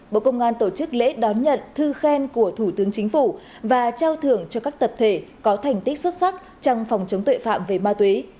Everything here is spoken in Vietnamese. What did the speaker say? bộ công an tổ chức lễ đón nhận thư khen của thủ tướng chính phủ và trao thưởng cho các tập thể có thành tích xuất sắc trong phòng chống tuệ phạm về ma túy